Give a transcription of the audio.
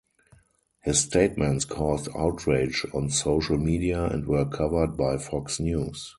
His statements caused outrage on social media and were covered by Fox News.